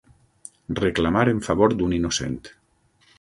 Reclamar en favor d'un innocent.